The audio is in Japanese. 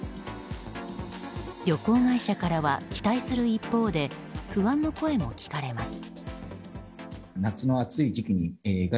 旅行会社からは期待する一方で不安の声も聞かれます。